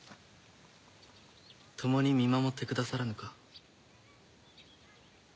共に見守ってくださらぬか。